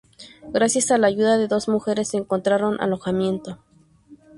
Gracias a la ayuda de dos mujeres encontraron alojamiento.